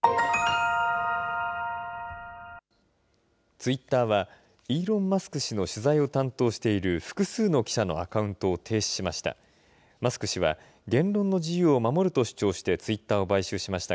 ツイッターは、イーロン・マスク氏の取材を担当している複数の記者のアカウントを停止しました。